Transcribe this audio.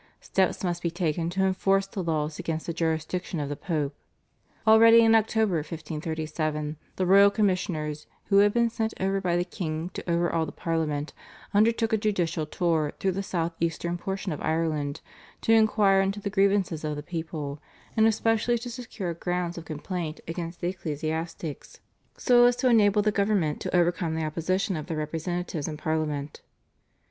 Steps must be taken to enforce the laws against the jurisdiction of the Pope. Already in October 1537 the royal commissioners, who had been sent over by the king to overawe the Parliament, undertook a judicial tour through the south eastern portion of Ireland to inquire into the grievances of the people, and especially to secure grounds of complaint against the ecclesiastics, so as to enable the government to overcome the opposition of their representatives in Parliament.